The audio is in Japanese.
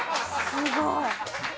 すごい！